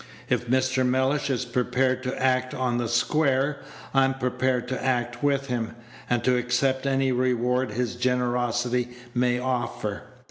If Mr. Mellish is prepared to act on the square, I'm prepared to act with him, and to accept any reward his generosity may offer.